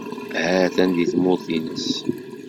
Atan deg tmurt-nnes.